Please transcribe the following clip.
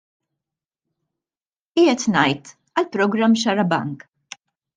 Qiegħed ngħid għall-programm Xarabank.